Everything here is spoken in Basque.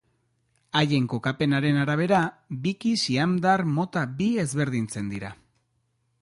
Haien kokapenaren arabera biki siamdar mota bi ezberdintzen dira.